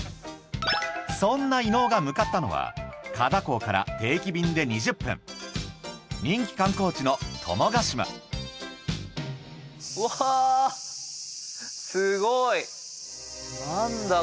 そんな伊野尾が向かったのは加太港から定期便で２０分人気観光地の友ヶ島何だ？